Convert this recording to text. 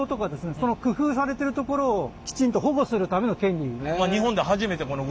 その工夫されてるところをきちんと保護するための権利。